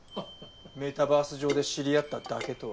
メタバース上で知り合っただけとは。